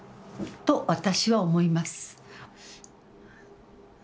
と私は思います。